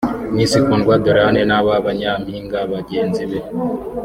Miss Kundwa Doriane n’aba banyampinga bagenzi be